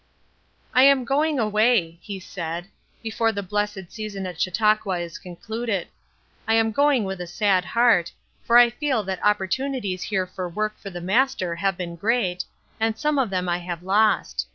"I am going away," he said, "before the blessed season at Chautauqua is concluded. I am going with a sad heart, for I feel that opportunities here for work for the Master have been great, and some of them I have lost.